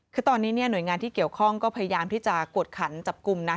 คือตอนนี้หน่วยงานที่เกี่ยวข้องก็พยายามที่จะกวดขันจับกลุ่มนะ